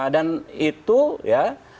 dan itu ya